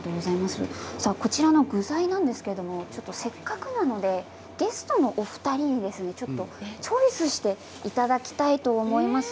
こちらの具材なんですがせっかくなのでゲストのお二人にチョイスしていただきたいと思います。